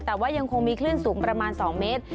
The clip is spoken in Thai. แต่ว่ายังคงมีคลื่นสูงประมาณ๒เมตร